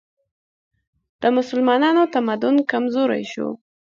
د مسلمانانو تمدن کمزوری شو